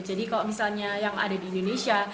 jadi kalau misalnya yang ada di indonesia